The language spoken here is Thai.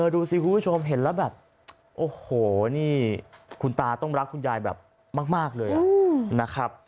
ดูสิคุณผู้ชมเห็นแล้วแบบโอ้โหนี่คุณตาต้องรักคุณยายแบบมากเลยนะครับ